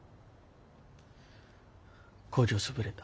工場潰れた。